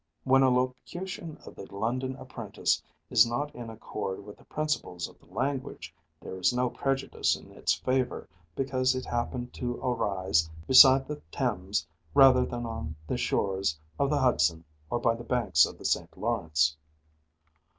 When a locution of the London apprentice is not in accord with the principles of the language, there is no prejudice in its favor because it happened to arise beside the Thames rather than on the shores of the Hudson or by the banks of the St. Lawrence.